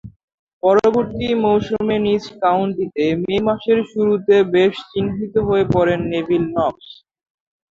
পরবর্তী মৌসুমে নিজ কাউন্টিতে মে মাসের শুরুতে বেশ চিহ্নিত হয়ে পড়েন নেভিল নক্স।